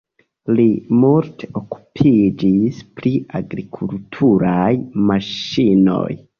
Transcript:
Li multe okupiĝis pri agrikulturaj maŝinoj.